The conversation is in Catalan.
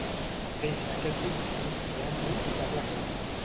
Deixa aquests obscurs preàmbuls i parla clar.